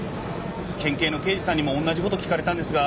県警の刑事さんにも同じ事聞かれたんですが